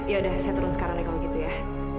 yaudah saya turun sekarang ya kalau gitu ya